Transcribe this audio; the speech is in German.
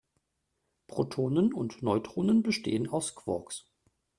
Protonen und Neutronen bestehen aus Quarks.